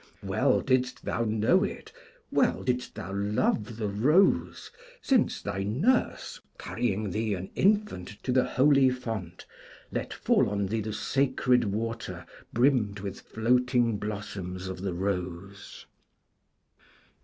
Well didst thou know it, well didst thou love the Rose, since thy nurse, carrying thee, an infant, to the holy font, let fall on thee the sacred water brimmed with floating blossoms of the Rose!